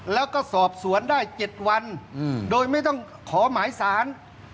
แล้วก็สอบสวนได้๗วันโดยไม่ต้องขอหมายสาร